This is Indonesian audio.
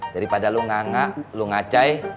daripada lu nganga lu ngacai